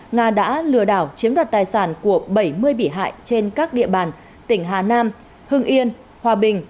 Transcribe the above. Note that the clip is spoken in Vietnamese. nga đã lừa đảo chiếm đoạt tài sản của bảy mươi bị hại trên các địa bàn tỉnh hà nam hưng yên hòa bình